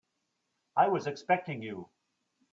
I was expecting you.